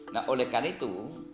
nah oleh karena itu